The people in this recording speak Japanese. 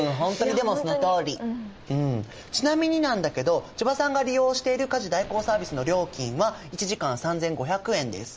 ちなみになんだけど千葉さんが利用している家事代行サービスの料金は１時間３，５００円です。